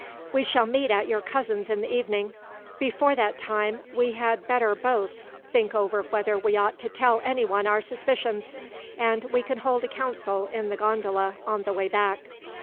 "We shall meet at your cousin's in the evening. Before that time, we had better both think over whether we ought to tell anyone our suspicions, and we can hold a council in the gondola on the way back."